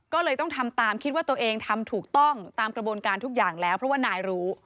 ก็เลยต้องทำตามคิดว่าตัวเองทำถูกต้องตามกระบวนการทุกอย่างแล้วเพราะว่านายรู้